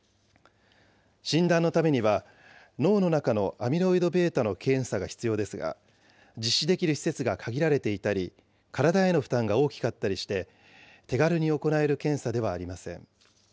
診断のためには、脳の中のアミロイドβの検査が必要ですが、実施できる施設が限られていたり、体への負担が大きかったりして、手軽に行える検査ではありません。